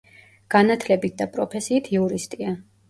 განათლებით და პროფესიით იურისტია.